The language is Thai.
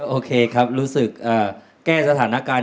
โอเคครับรู้สึกแก้สถานการณ์